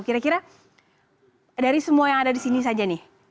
kira kira dari semua yang ada di sini saja nih